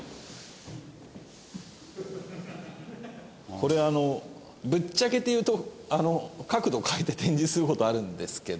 これあのぶっちゃけて言うと角度を変えて展示する事あるんですけど。